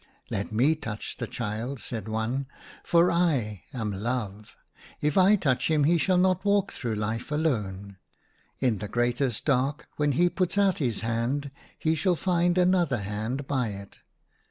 " Let me touch the child," said one, " for I am Love. If I touch him he shall not walk through life alone. In the greatest dark, when he puts out his hand he shall find another hand by it.